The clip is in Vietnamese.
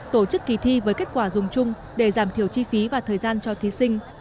tổ chức kỳ thi với kết quả dùng chung để giảm thiểu chi phí và thời gian cho thí sinh